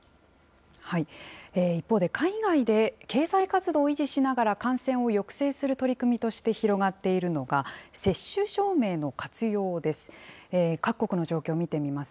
一方で、海外で経済活動を維持しながら感染を抑制する取り組みとして広がっているのが、接種証明の活用です。